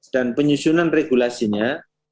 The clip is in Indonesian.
dan penyusunan regulasinya